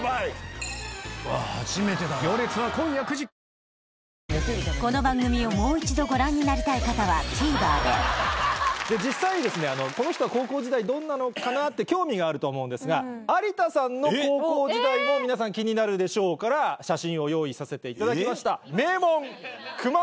「エリエール」マスクもこの番組をもう一度ご覧になりたい方はＴＶｅｒで実際にこの人は高校時代どんなのかなって興味があるとは思うんですが有田さんの高校時代も皆さん気になるでしょうから写真を用意させていただきました。